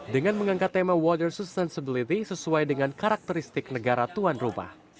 dengan mengangkat tema water sustainability sesuai dengan karakteristik negara tuan rumah